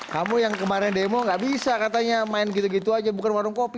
kamu yang kemarin demo gak bisa katanya main gitu gitu aja bukan warung kopi